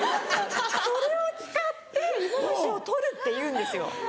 それを使ってイモムシを取るって言うんですよ。